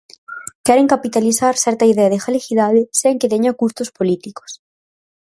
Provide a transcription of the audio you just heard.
Queren capitalizar certa idea de galeguidade sen que teña custos políticos.